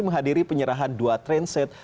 menghadiri penyerahan dua transit